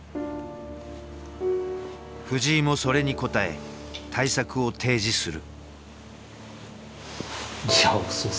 藤井もそれに応え対策を提示する。